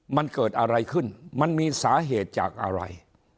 มันเกิดอะไรขึ้นมันมีสาเหตุจากอะไร